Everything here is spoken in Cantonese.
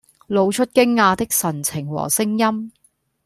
露出驚訝的神情和聲音